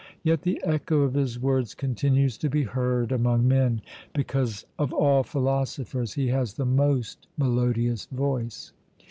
Yet the echo of his words continues to be heard among men, because of all philosophers he has the most melodious voice.